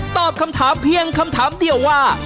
ตอบคำถามเพียงคำถามเดียวว่า